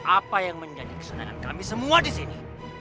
apa yang menjadi kesenangan kami semua disini